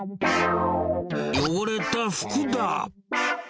汚れた服だ。